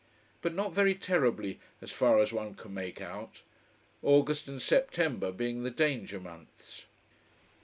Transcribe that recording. But not very terribly, as far as one can make out: August and September being the danger months.